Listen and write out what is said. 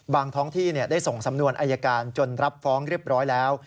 ท้องที่ได้ส่งสำนวนอายการจนรับฟ้องเรียบร้อยแล้ว